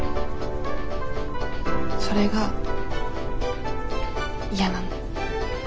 それが嫌なの。